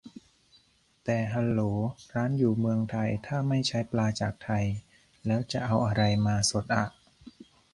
แต่ ฮัลโหล ร้านอยู่เมืองไทย ถ้าไม่ใช้ปลาจากไทย แล้วจะเอาอะไรมาสดอะ